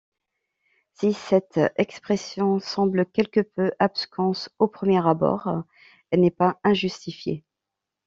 Si cette expression semble quelque peu absconse au premier abord, elle n'est pas injustifiée.